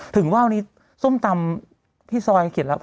ถึงว่าวนี้ส้มตำที่ซอยเขียนแล้ว